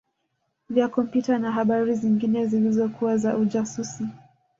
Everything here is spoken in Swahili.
vya kompyuta na habari zingine zilizokuwa za ujasusi